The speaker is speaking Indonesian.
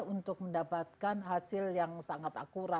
untuk mendapatkan hasil yang sangat akurat